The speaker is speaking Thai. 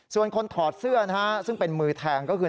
ส่วนคนถอดเสื้อนะฮะซึ่งเป็นมือแทงก็คือ